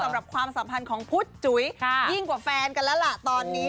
ความสัมพันธ์ของพุทธจุ๋ยยิ่งกว่าแฟนกันแล้วล่ะตอนนี้